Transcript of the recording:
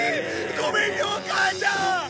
ごめんよ母ちゃん！